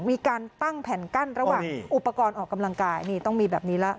มีการตั้งแผ่นกั้นระหว่างอุปกรณ์ออกกำลังกายนี่ต้องมีแบบนี้แล้ว